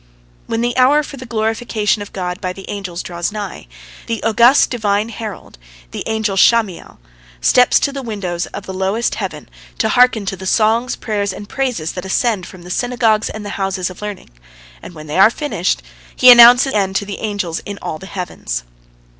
When the hour for the glorification of God by the angels draws nigh, the august Divine herald, the angel Sham'iel, steps to the windows of the lowest heaven to hearken to the songs, prayers, and praises that ascend from the synagogues and the houses of learning, and when they are finished, he announces the end to the angels in all the heavens.